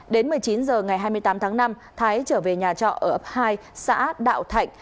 đến một mươi chín h ngày hai mươi tám tháng năm thái trở về nhà trọ ở ấp hai xã đạo thạnh